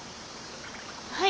はい。